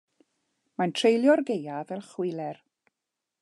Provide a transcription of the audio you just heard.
Mae'n treulio'r gaeaf fel chwiler.